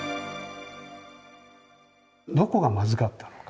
どこがまずかったのか？